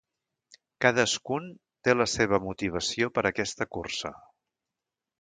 Cadascun té la seva motivació per aquesta cursa.